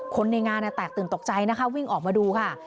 คนในงานแตกตื่นตกใจนะคะวิ่งออกมาดูค่ะ